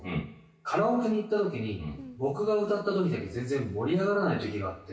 カラオケに行った時に僕が歌った時だけ全然盛り上がらない時があって。